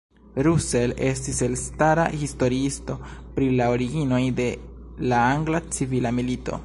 Russell estis elstara historiisto pri la originoj de la Angla Civila Milito.